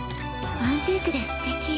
アンティークですてき。